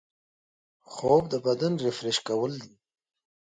خوب د بدن ریفریش کول دي